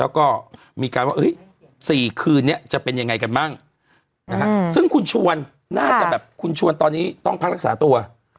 แล้วก็มีการว่า๔คืนนี้จะเป็นยังไงกันบ้างนะฮะซึ่งคุณชวนน่าจะแบบคุณชวนตอนนี้ต้องพักรักษาตัว